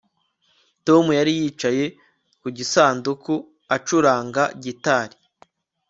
Tom yari yicaye ku gisanduku acuranga gitari